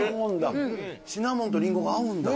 シナモンとリンゴが合うんだ。